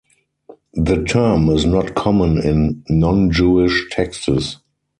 The term is not common in non-Jewish texts.